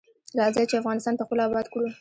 راځی چی افغانستان پخپله اباد کړو.